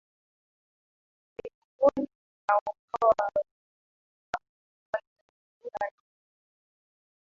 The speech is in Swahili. Mikunguni na Uroa walizozikumbuka na kuzisimulia.